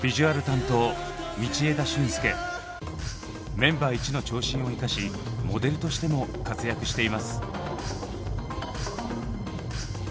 メンバー１の長身を生かしモデルとしても活躍しています。